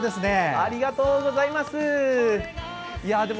ありがとうございます！